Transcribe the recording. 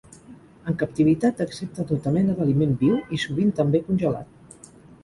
En captivitat, accepta tota mena d'aliment viu i, sovint també, congelat.